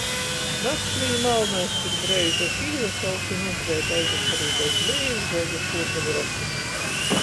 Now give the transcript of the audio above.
Naskrīņ, malnais, cik dreiži! es īsasaucu i nūkreitu, aizakerūt aiz miļzeiga kūrmuļu rokuma.